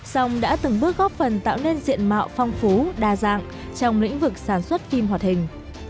song đã từng bước góp phần tạo nên diện mạo phong phú đa dạng trong lĩnh vực sản xuất phim hoạt hình